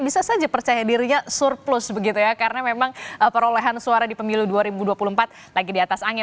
bisa saja percaya dirinya surplus begitu ya karena memang perolehan suara di pemilu dua ribu dua puluh empat lagi di atas angin